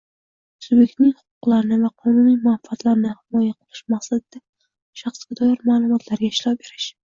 Subyektning huquqlarini va qonuniy manfaatlarini himoya qilish maqsadida shaxsga doir ma’lumotlarga ishlov berish